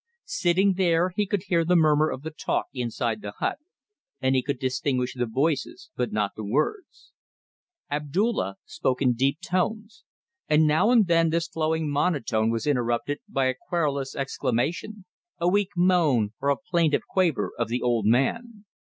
Sitting there he could hear the murmur of the talk inside the hut, and he could distinguish the voices but not the words. Abdulla spoke in deep tones, and now and then this flowing monotone was interrupted by a querulous exclamation, a weak moan or a plaintive quaver of the old man.